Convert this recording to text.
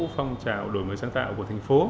phong trào đổi mới sáng tạo của thành phố